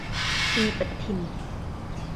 ปีปฏิทิน